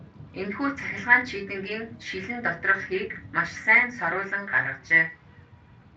Энэхүү цахилгаан чийдэнгийн шилэн доторх хийг маш сайн соруулан гаргажээ.